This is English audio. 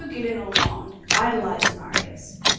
Gillenormand idolized Marius.